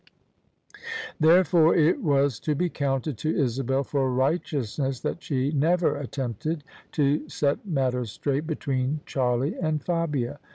Therefore it was to be counted to Isabel for righteousness that she never attempted to set matters straight between Charlie and Fabia.